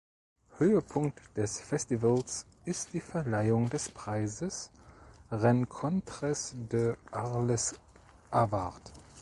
Höhepunkt des Festivals ist die Verleihung des Preises „Rencontres d’Arles Award“.